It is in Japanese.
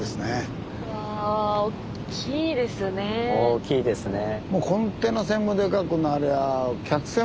大きいですね。